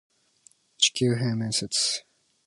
地球平面説